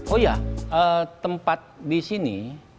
oh iya tempat di sini